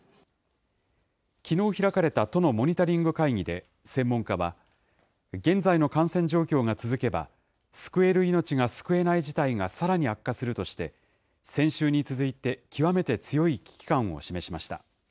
きのう開かれた都のモニタリング会議で、専門家は、現在の感染状況が続けば、救える命が救えない事態がさらに悪化するとして、先週に続いて、極めて強い危機感を示しました。